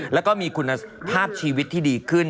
แล้วก็มีคุณภาพชีวิตที่ดีขึ้น